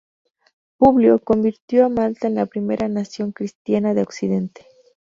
Publio convirtió a Malta en la primera nación cristiana de Occidente.